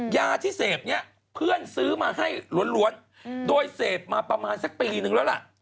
ยาที่เสพนี้เพื่อนซื้อมาให้ล้วนโดยเสพมาประมาณสักปีนึงแล้วล่ะ